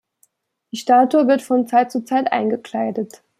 Die Statue wird von Zeit zu Zeit eingekleidet.